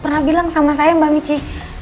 pernah bilang sama saya mbak michi